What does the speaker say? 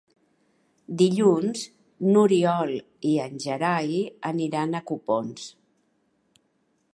Dilluns n'Oriol i en Gerai aniran a Copons.